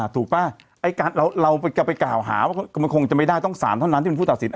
ถูกป่ะเราจะไปกล่าวหาว่ามันคงจะไม่ได้ต้องสารเท่านั้นที่เป็นผู้ตัดสิน